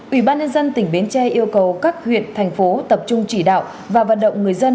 ubnd tỉnh biên tre yêu cầu các huyện thành phố tập trung chỉ đạo và vận động người dân